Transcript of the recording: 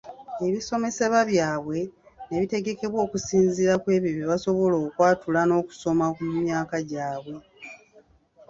Ebisomesebwa byabwe ne bitegekebwa okusinziira ku ebyo bye basobola okwatula n’okusoma ku myaka gye balina.